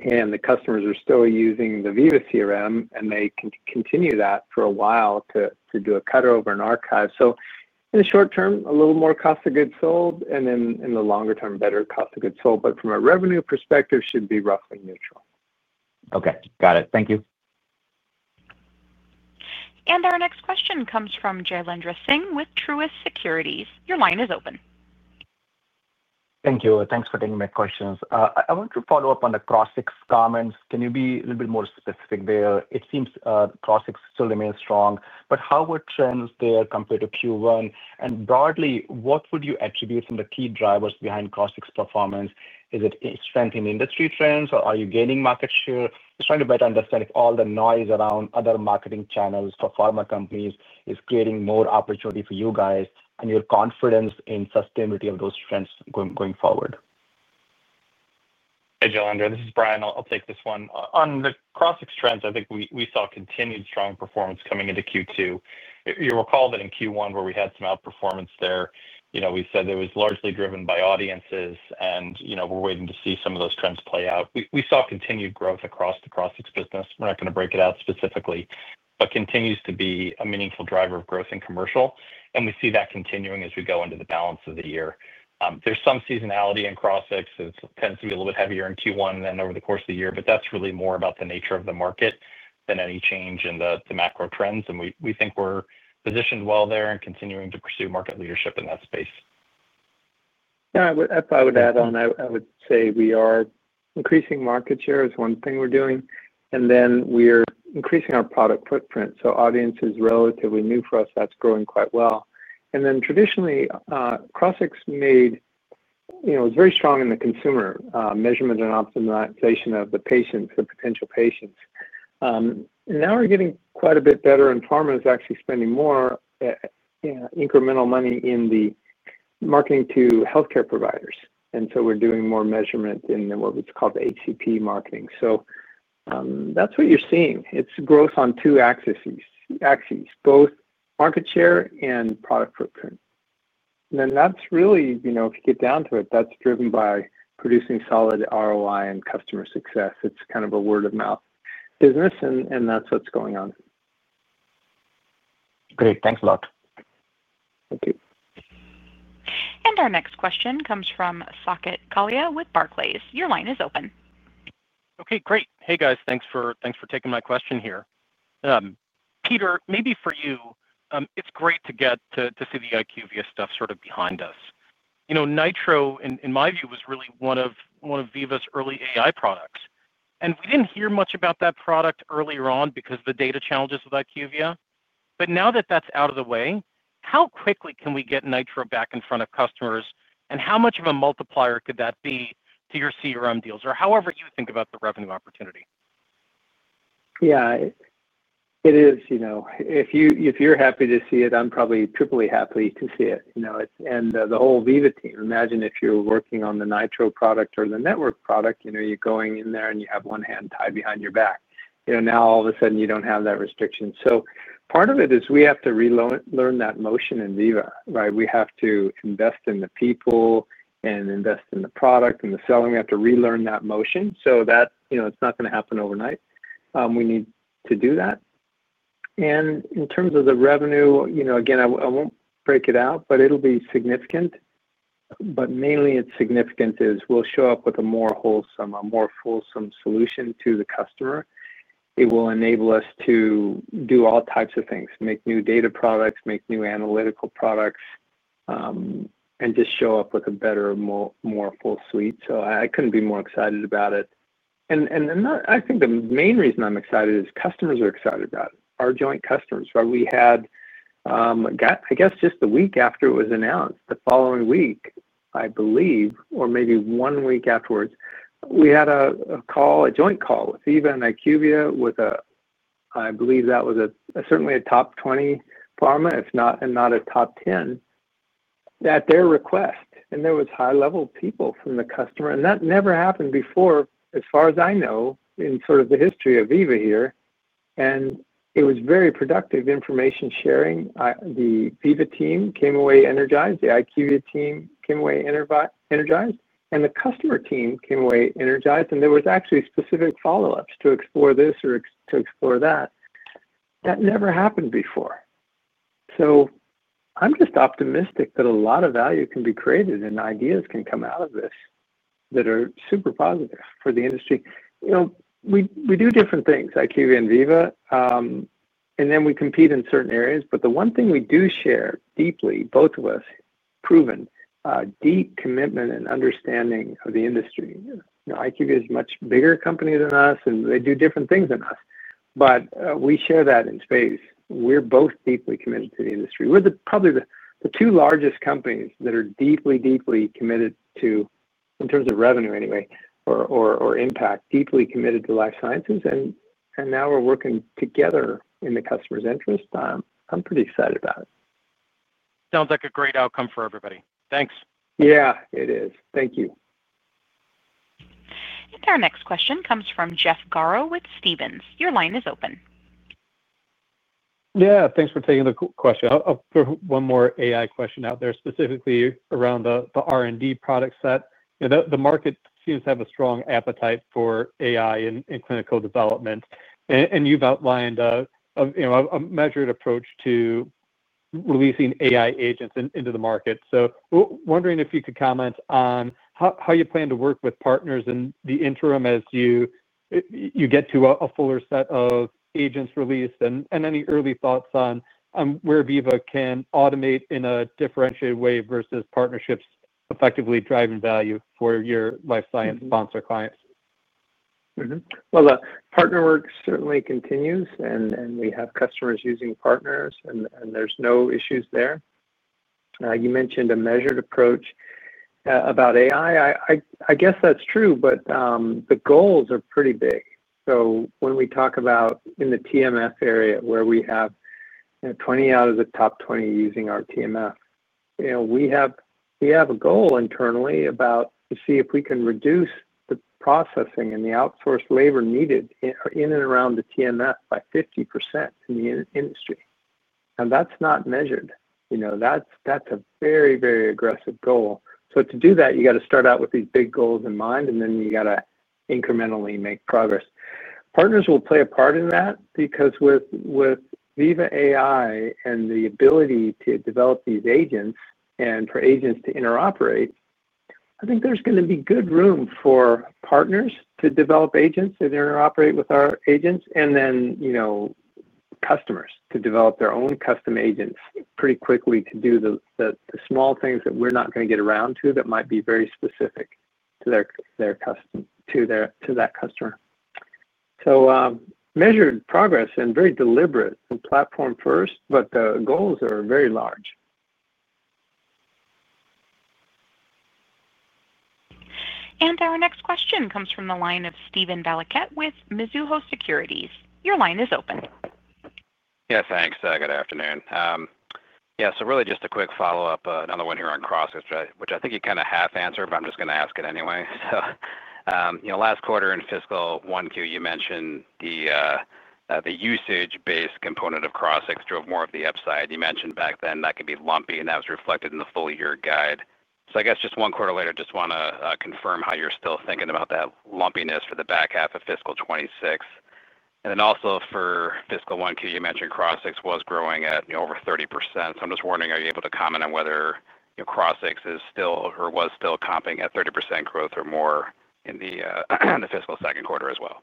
and the customers are still using the Veeva CRM and they can continue that for a while to do a cutover and archive. In the short term a little more cost of goods sold and then in the longer term better cost of goods sold. From a revenue perspective should be roughly neutral. Okay, got it. Thank you. Our next question comes from Jailendra Singh with Truist Securities. Your line is open. Thank you. Thanks for taking my questions. I want to follow up on the Crossix comments. Can you be a little bit more specific there? It seems Crossix still remains strong, but how were trends there compared to Q1? Broadly, what would you attribute from the key drivers behind Crossix's performance? Is it strengthened industry trends or are you gaining market share? Just trying to better understand if all the noise around other marketing channels for pharma companies is creating more opportunity for you guys and your confidence in sustainability of those trends going forward. Hey Jill, Andrea, this is Brian. I'll take this one. On the Crossix trends, I think we saw continued strong performance coming into Q2. You recall that in Q1 where we had some outperformance there, we said it was largely driven by audiences and we're waiting to see some of those trends play out. We saw continued growth across the Crossix business. We're not going to break it out specifically, but it continues to be a meaningful driver of growth in Commercial and we see that continuing as we go into the balance of the year. There's some seasonality in Crossix. It tends to be a little bit heavier in Q1 than over the course of the year, but that's really more about the nature of the market than any change in the macro trends. We think we're positioned well there and continuing to pursue market leadership in that space. I would add on, I would say we are increasing market share is one thing we're doing and then we're increasing our product footprint. So audience is relatively new for us. That's growing quite well. Traditionally, Crossix made, you know, it's very strong in the consumer measurement and optimization of the patients and potential patients. Now we're getting quite a bit better and pharma is actually spending more incremental money in the marketing to healthcare providers and so we're doing more measurement in what's called the HCP marketing. That's what you're seeing. It's growth on two axes, both market share and product footprint. That's really, if you get down to it, that's driven by producing solid ROI and customer success. It's kind of a word of mouth business and that's what's going on. Great, thanks a lot. Our next question comes from Saket Kalia with Barclays. Your line is open. Okay, great. Hey guys, thanks for taking my question here. Peter, maybe for you it's great to get to see the IQVIA stuff sort of behind us. You know, Nitro in my view was really one of Veeva's early AI products. We didn't hear much about that product earlier on because of the data challenges with IQVIA. Now that that's out of the way, how quickly can we get Nitro back in front of customers and how much of a multiplier could that be to your CRM deals or however you think about the revenue opportunity? Yeah, it is, you know, if you're happy to see it, I'm probably triply happy to see it, you know, and the whole Veeva team, imagine if you're working on the Nitro product or the Network product, you're going in there and you have one hand tied behind your back. Now all of a sudden you don't have that restriction. Part of it is we have to relearn that motion in Veeva, right? We have to invest in the people and invest in the product and the selling. We have to relearn that motion so that it's not going to happen overnight. We need to do that. In terms of the revenue, again I won't break it out but it'll be significant. Mainly it's significant as we'll show up with a more wholesome, a more fulsome solution to the customer. It will enable us to do all types of things, make new data products, make new analytical products and just show up with a better, more full suite. I couldn't be more excited about it and I think the main reason I'm excited is customers are excited about our joint customers. We had got I guess just the week after it was announced, the following week I believe, or maybe one week afterwards we had a call, a joint call with Veeva and IQVIA with I believe that was certainly a top 20 pharma if not a top 10 at their request. There were high level people from the customer and that never happened before as far as I know in the history of Veeva here. It was very productive information sharing. The Veeva team came away energized, the IQVIA team came away energized and the customer team came away energized. There were actually specific follow ups to explore this or to explore that. That never happened before. I'm just optimistic that a lot of value can be created and ideas can come out of this that are super positive for the industry. We do different things, IQVIA and Veeva, and then we compete in certain areas. The one thing we do share deeply, both of us have a proven deep commitment and understanding of the industry. IQVIA is a much bigger company than us and they do different things than us, but we share that in space. We're both deeply committed to the industry. We're probably the two largest companies that are deeply, deeply committed to, in terms of revenue anyway or impact, deeply committed to life sciences. Now we're working together in the customer's interest. I'm pretty excited about it. Sounds like a great outcome for everybody. Thanks. Yeah, it is. Thank you. Our next question comes from Jeff Garro with Stephens. Your line is open. Yeah, thanks for taking the question. One more AI question out there specifically around the R&D product set. The market seems to have a strong appetite for AI in clinical development and you've outlined, you know, a measured approach to releasing AI agents into the market. I am wondering if you could comment on how you plan to work with partners in the interim as you get to a fuller set of agents released. Any early thoughts on where Veeva can automate in a differentiated way versus partnerships, effectively driving value for your life science sponsor clients? The partner work certainly continues and we have customers using partners and there's no issues there. You mentioned a measured approach about AI. I guess that's true, but the goals are pretty big. When we talk about in the TMF area, where we have 20 out of the top 20 using our TMF, we have a goal internally to see if we can reduce the processing and the outsourced labor needed in and around the TMF by 50% in the industry. That's not measured. That's a very, very aggressive goal. To do that, you have to start out with these big goals in mind and then you have to incrementally make progress. Partners will play a part in that because with Veeva AI and the ability to develop these agents and for agents to interoperate, I think there's going to be good room for partners to develop agents that interoperate with our agents and then customers to develop their own custom agents pretty quickly to do the small things that we're not going to get around to that might be very specific to that customer. Measured progress and very deliberate platform first, but the goals are very large. Our next question comes from the line of Stephen Valiquette with Mizuho Securities. Your line is open. Yeah, thanks. Good afternoon. Really just a quick follow up, another one here on Crossix, which I think you kind of half answered, but I'm just going to ask it anyway. Last quarter in fiscal 1Q, you mentioned the usage based component of Crossix drove more of the upside. You mentioned back then that could be lumpy and that was reflected in the full year guide. I guess just one quarter later, just want to confirm how you're still thinking about that lumpiness for the back half of fiscal 2026 and then also for fiscal 1Q you mentioned Crossix was growing at over 30%. I'm just wondering, are you able to comment on whether Crossix is still or was still comping at 30% growth or more in the fiscal second quarter as well?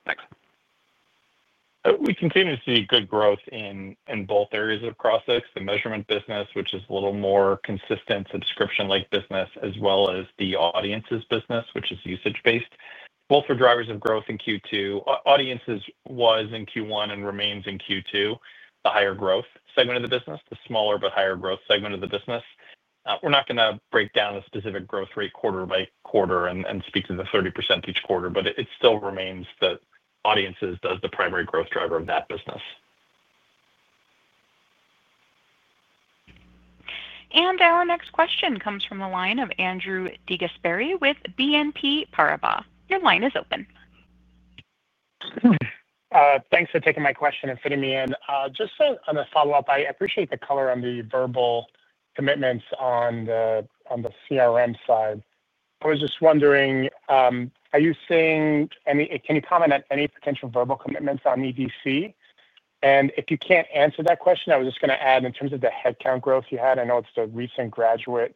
We continue to see good growth in both areas of Crossix. The measurement business, which is a little more consistent subscription-like business, as well as the audiences business, which is usage based, both were drivers of growth in Q2. Audiences was in Q1 and remains in Q2 the higher growth segment of the business, the smaller but higher growth segment of the business. We're not going to break down a specific growth rate quarter by quarter and speak to the 30% each quarter, but it still remains that audiences is the primary growth driver of that business. Our next question comes from the line of Andrew DeGasperi with BNP Paribas. Your line is open. Thanks for taking my question and fitting me in. Just on a follow up, I appreciate the color on the verbal commitments on the CRM side, I was just wondering, are you seeing any, can you comment on any potential verbal commitments on EDC? If you can't answer that question, I was just going to add in terms of the headcount growth you had. I know it's the recent graduate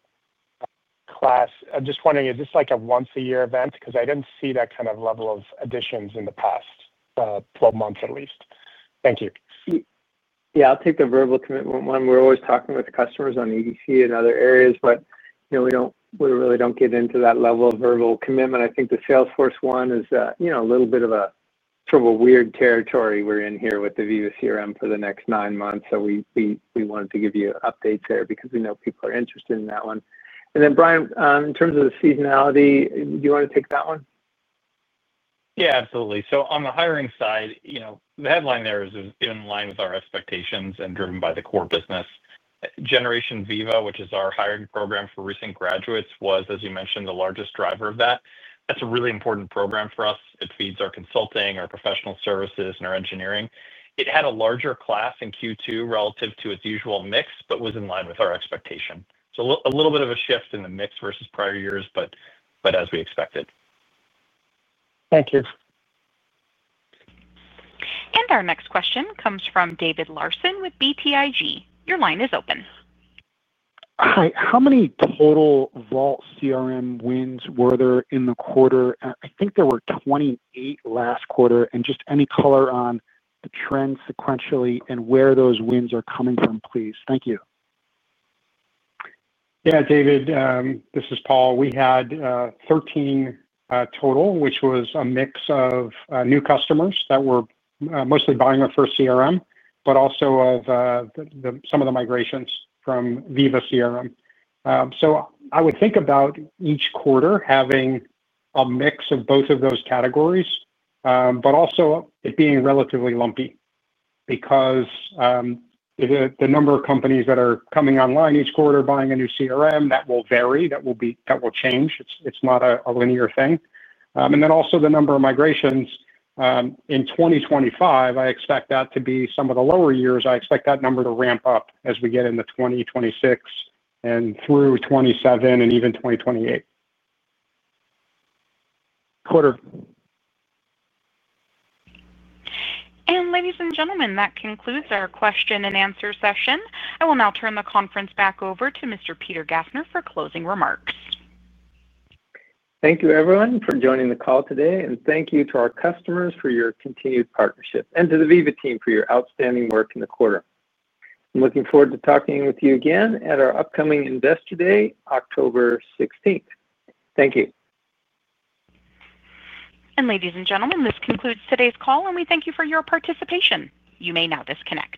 class. I'm just wondering, is this like a once a year event? I didn't see that kind of level of additions in the past 12 months at least. Thank you. I'll take the verbal commitment one. We're always talking with customers on EDC and other areas, but you know, we don't, we really don't get into that level of verbal commitment. I think the Salesforce one is a little bit of a sort of a weird territory. We're in here with the Vault CRM for the next nine months. We wanted to give you updates there because we know people are interested in that one. Brian, in terms of the seasonality, do you want to take that one? Absolutely. On the hiring side, the headline there is in line with our expectations and driven by the core business generation. Veeva, which is our hiring program for recent graduates, was, as you mentioned, the largest driver of that. That's a really important program for us. It feeds our consulting, our professional services, and our engineering. It had a larger class in Q2 relative to its usual mix, but was in line with our expectation. A little bit of a shift in the mix versus prior years, but as we expected. Thank you. Our next question comes from David Larsen with BTIG. Your line is open. Hi. How many total Vault CRM wins were there in the quarter? I think there were 28 last quarter, and just any color on the trend sequentially, and where those wins are coming from, please. Thank you. Yeah, David, this is Paul. We had 13 total, which was a mix of new customers that were mostly buying a first CRM, but also some of the migrations from Veeva CRM. I would think about each quarter having a mix of both of those categories, but also it being relatively lumpy because the number of companies that are coming online each quarter buying a new CRM, that will vary. That will change. It's not a linear thing. Also, the number of migrations in 2025, I expect that to be some of the lower years. I expect that number to ramp up as we get into 2026 and through 2027 and even 2028. Ladies and gentlemen, that concludes our question and answer session. I will now turn the conference back over to Mr. Peter Gassner for closing remarks. Thank you, everyone, for joining the call today, and thank you to our customers for your continued partnership and to the Veeva team for your outstanding work in the quarter. I'm looking forward to talking with you again at our upcoming investor day, October 16th. Thank you. Ladies and gentlemen, this concludes today's call. We thank you for your participation. You may now disconnect.